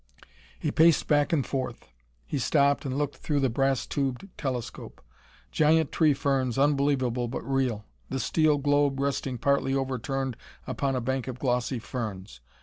He paced back and forth. He stopped and looked through the brass tubed telescope. Giant tree ferns, unbelievable but real. The steel globe resting partly overturned upon a bank of glossy ferns.